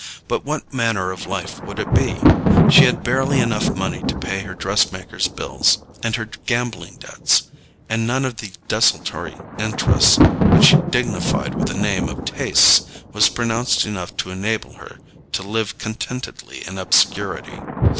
But what manner of life would it be? She had barely enough money to pay her dress makers' bills and her gambling debts; and none of the desultory interests which she dignified with the name of tastes was pronounced enough to enable her to live contentedly in obscurity.